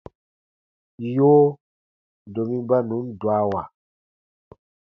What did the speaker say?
Yoo, domi ba nùn dwawa.